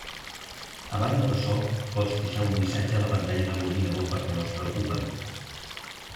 A banda d'açò, pots deixar un missatge a la pantalla de l'ordinador perquè no es preocupen.